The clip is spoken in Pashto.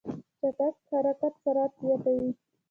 چټک حرکت سرعت زیاتوي.